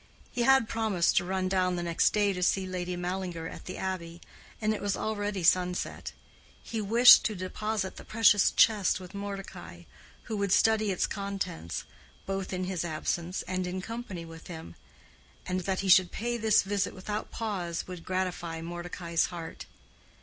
He had promised to run down the next day to see Lady Mallinger at the Abbey, and it was already sunset. He wished to deposit the precious chest with Mordecai, who would study its contents, both in his absence and in company with him; and that he should pay this visit without pause would gratify Mordecai's heart.